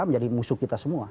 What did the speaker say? menjadi musuh kita semua